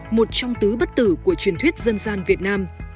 một trong tứ bất tử của truyền thuyết dân gian việt nam